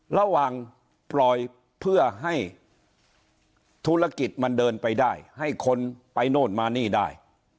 ระหว่างปล่อยเพื่อให้ธุรกิจมันเดินไปได้ให้คนไปโน่นมานี่ได้